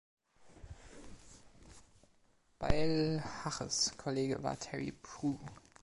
Bailhaches Kollege war Terry Prue.